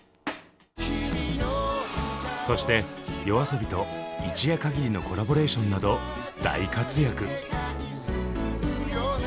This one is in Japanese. そしてＹＯＡＳＯＢＩと一夜かぎりのコラボレーションなど大活躍。